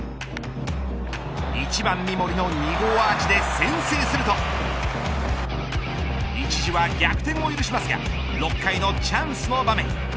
１番三森の２号アーチで先制すると一時は逆転を許しますが６回のチャンスの場面。